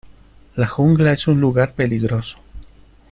La jungla es un lugar peligroso.